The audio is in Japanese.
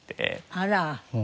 あら。